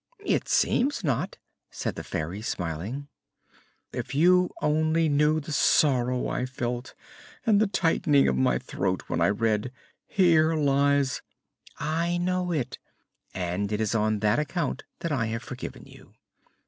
"It seems not," said the Fairy, smiling. "If you only knew the sorrow I felt and the tightening of my throat when I read, 'Here lies '" "I know it, and it is on that account that I have forgiven you.